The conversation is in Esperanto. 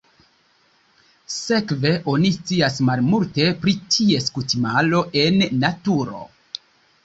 Sekve oni scias malmulte pri ties kutimaro en naturo.